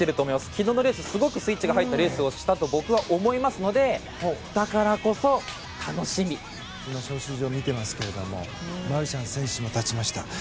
昨日のレースはスイッチが入ったレースをしたと僕は思いますので今、招集所を見ていますがマルシャン選手、立ちました。